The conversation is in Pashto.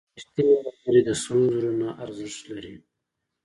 • رښتینی ملګری د سرو زرو نه ارزښت لري.